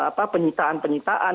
kalau perlu ada penyitaan penyitaan